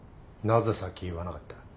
なぜさっき言わなかった？